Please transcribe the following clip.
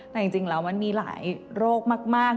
แต่จริงแล้วมันมีหลายโรคมาก